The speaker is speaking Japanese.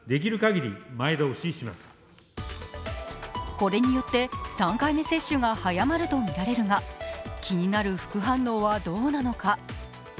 これによって、３回目接種が早まるとみられますが気になる副反応はどうなのか。